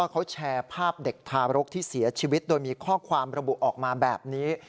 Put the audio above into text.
เขาแชร์ภาพเด็กทารกที่เสียชีวิตโดยมีข้อความระบุออกมาแบบนี้